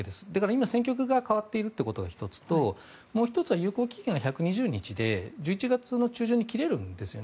まずは戦局が変わっているということが１つと有効期限が１２０日ということで１１月の中旬に切れるんです。